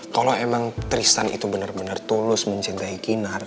kalau emang tristan itu benar benar tulus mencintai kinar